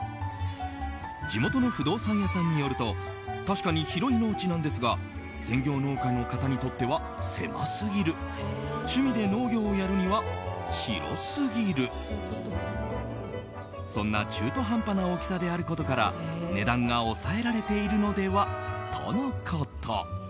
地元の不動産屋さんによると確かに広い農地なんですが専業農家の方にとっては狭すぎる趣味で農業をやるには広すぎるそんな中途半端な大きさであることから値段が抑えられているのではとのこと。